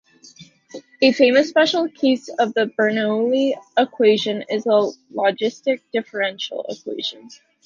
A famous special case of the Bernoulli equation is the logistic differential equation.